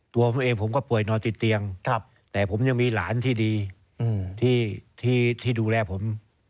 ตัวผมเองผมก็ป่วยนอนติดเตียงแต่ผมยังมีหลานที่ดีที่ดูแลผม